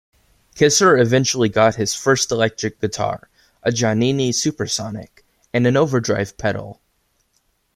Kisser eventually got his first electric guitar, a Giannini-Supersonic, and an overdrive pedal.